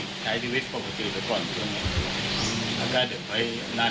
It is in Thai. งั่นไอนาโคชก็ยังไม่รู้ว่า